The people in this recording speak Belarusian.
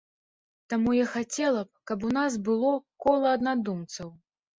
Таму я хацела б, каб у нас было кола аднадумцаў.